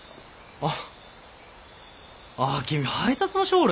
あっ。